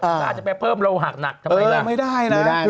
อาจจะไปเพิ่มโรหักหนักทำไมล่ะ